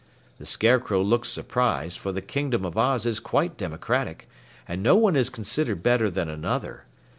The Scarecrow looked surprised, for the Kingdom of Oz is quite democratic, and no one is considered better than another.